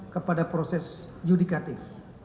kepada proses yudikatif